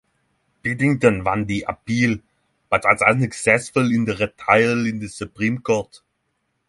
Piddington won the appeal but was unsuccessful in the retrial in the Supreme Court.